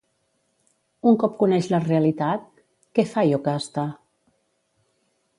Un cop coneix la realitat, què fa Iocasta?